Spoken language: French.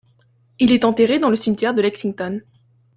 Il est enterré dans le cimetière de Lexington.